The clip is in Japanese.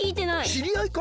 しりあいか？